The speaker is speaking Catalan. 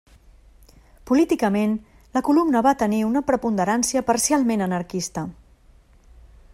Políticament, la columna va tenir una preponderància parcialment anarquista.